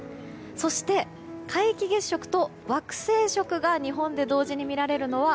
そして皆既月食と惑星食が日本で同時に見れるのは